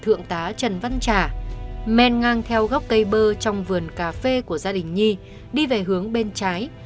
thượng tá trần văn trả men ngang theo góc cây bơ trong vườn cà phê của gia đình nhi đi về hướng bên trái